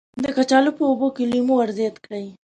د کچالو په اوبو کې لیمو ور زیات کړئ.